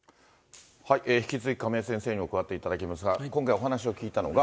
引き続き亀井先生にも加わっていただきますが、今回お話を聞いたのが。